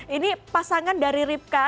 ini pasangan dari republik